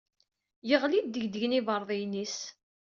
Yeɣli ddegdegen ibeṛdayen-is.